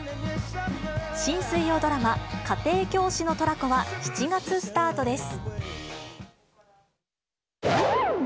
新水曜ドラマ、家庭教師のトラコは、７月スタートです。